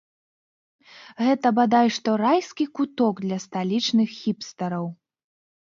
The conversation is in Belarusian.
Гэта, бадай што, райскі куток для сталічных хіпстараў.